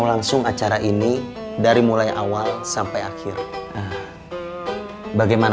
yang suami maskul di sekolah dua tiga tahun